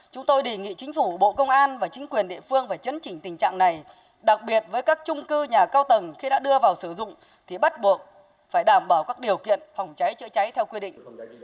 chúng tôi đề nghị chính phủ bộ công an và chính quyền địa phương phải chấn chỉnh tình trạng này đặc biệt với các trung cư nhà cao tầng khi đã đưa vào sử dụng thì bắt buộc phải đảm bảo các điều kiện phòng cháy chữa cháy theo quy định